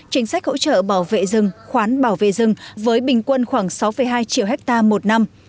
chính sách hỗ trợ bảo vệ rừng khoán bảo vệ rừng với bình quân khoảng sáu hai triệu hectare một năm